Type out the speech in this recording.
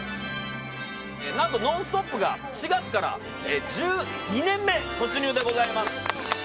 何と「ノンストップ！」が４月から１２年目突入でございます。